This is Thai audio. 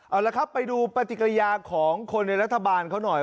เอาละครับไปดูปฏิกิริยาของคนในรัฐบาลเขาหน่อย